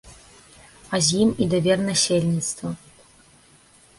А з ім і давер насельніцтва.